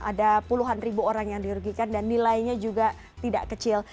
ada puluhan ribu orang yang dirugikan dan nilainya juga tidak kecil